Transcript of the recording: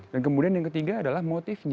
dan kemudian yang ketiga adalah motifnya